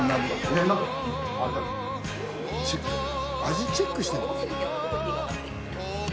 味チェックしてんの？